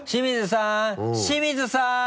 清水さん！